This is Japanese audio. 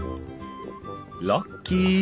ラッキー。